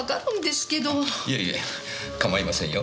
いえいえ構いませんよ。